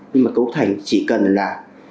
nhưng mà cấu thành chỉ cần là